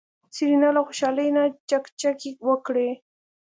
سېرېنا له خوشحالۍ نه چکچکې وکړې.